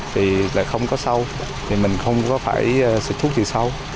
thì là không có rau thì mình không có phải sửa thuốc gì rau